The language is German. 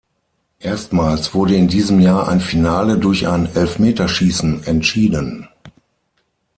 Erstmals wurde in diesem Jahr ein Finale durch ein Elfmeterschießen entschieden.